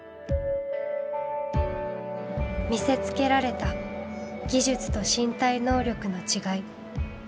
見せつけられた技術と身体能力の違い。